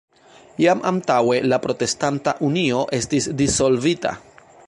Jam antaŭe la Protestanta Unio estis dissolvita.